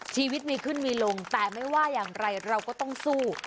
ชีวิตมีขึ้นมีลงแต่ไม่ว่าอย่างไรเราก็ต้องสู้